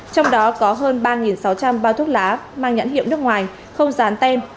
trong đó có hơn ba sáu trăm linh bao thuốc lá mang nhãn hiệu nước ngoài không dán tem